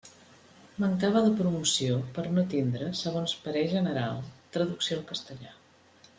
Mancava de promoció per no tindre, segons parer general, traducció al castellà.